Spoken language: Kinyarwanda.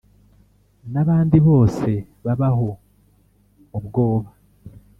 n’abandi bose babaho mu bwoba